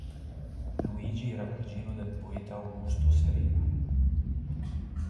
Luigi era cugino del poeta Augusto Serena.